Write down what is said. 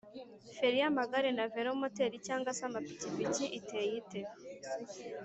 feri y’amagare na velomoteri cg se amapikipikiiteye ite